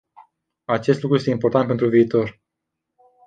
Acest lucru este important pentru viitor.